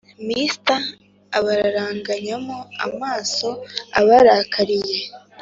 Mr abararanganyamo amaso abarakariye